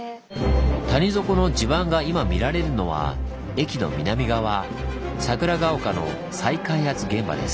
谷底の地盤が今見られるのは駅の南側桜丘の再開発現場です。